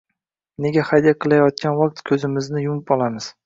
Nega xadya kilayotgan vakt kuzimizni yumib olamiz